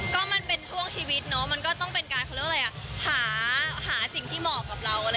ก็มันเป็นช่วงชีวิตเนาะมันก็ต้องเป็นการหาสิ่งที่เหมาะกับเรา